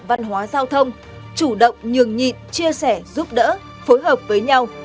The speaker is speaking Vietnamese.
văn hóa giao thông chủ động nhường nhịn chia sẻ giúp đỡ phối hợp với nhau